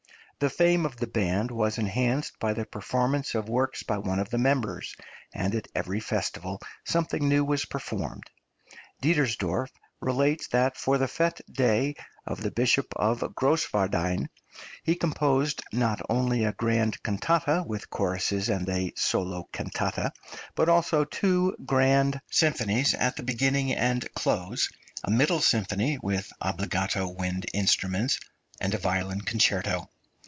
The fame of the band was enhanced by the performance of works by one of the members, and at every festival something new was performed. Dittersdorf relates that for the fête day of the Bishop of Grosswardein he composed not only a grand cantata with choruses and a solo cantata, but also two grand symphonies at the beginning and close, a middle symphony, with obbligato wind instruments, and a violin concerto.